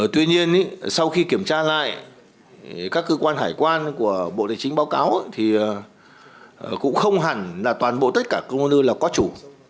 tuy nhiên sau khi kiểm tra lại các cơ quan hải quan của bộ tài chính báo cáo thì cũng không hẳn là toàn bộ tất cả công an lư là có chủ